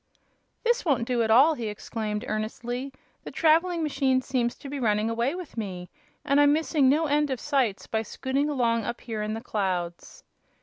"This won't do at all!" he exclaimed, earnestly. "The traveling machine seems to be running away with me, and I'm missing no end of sights by scooting along up here in the clouds."